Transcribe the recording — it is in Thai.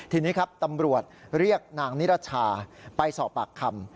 ทีนี้ครับตำรวจเรียกนางนิรชาไปสอบปากคำ